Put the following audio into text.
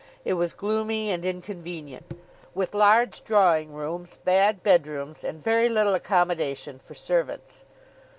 It was gloomy and inconvenient, with large drawing rooms, bad bedrooms, and very little accommodation for servants.